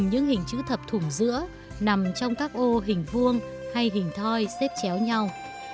những hình chữ thập thủng giữa nằm trong các ô hình vuông hay hình thoi xếp chéo nhau